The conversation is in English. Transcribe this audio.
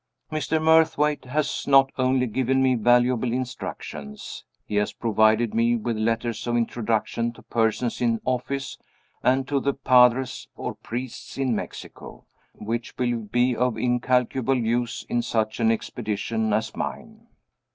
Mr. Murthwaite has not only given me valuable instructions he has provided me with letters of introduction to persons in office, and to the padres (or priests) in Mexico, which will be of incalculable use in such an expedition as mine.